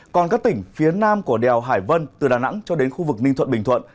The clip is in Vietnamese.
còn các tỉnh phía nam của đèo hải vân từ đà nẵng cho đến khu vực ninh thuận bình thuận